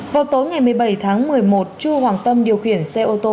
vào tối ngày một mươi bảy tháng một mươi một chu hoàng tâm điều khiển xe ô tô